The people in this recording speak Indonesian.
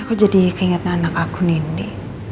aku jadi keingetan anak aku nini